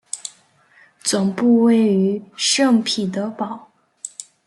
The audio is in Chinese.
总部位于圣彼得堡。